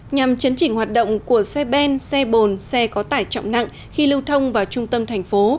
nhằm chấn chỉnh hoạt động của xe ben xe bồn xe có tải trọng nặng khi lưu thông vào trung tâm thành phố